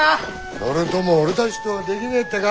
それとも俺たちとはできねえってか？